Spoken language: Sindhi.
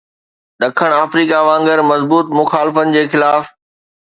ڏکڻ آفريڪا وانگر مضبوط مخالفن جي خلاف